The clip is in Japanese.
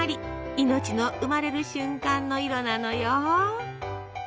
命の生まれる瞬間の色なのよ！